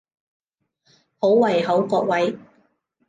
好胃口各位！